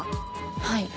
はい。